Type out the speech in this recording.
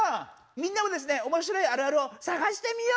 みんなもですねおもしろいあるあるをさがしてみようね！